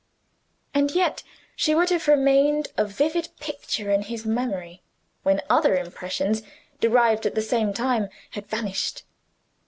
And yet, she would have remained a vivid picture in his memory when other impressions, derived at the same time, had vanished.